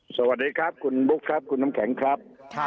สวัสดีครับคุณบุ๊คครับคุณน้ำแข็งครับ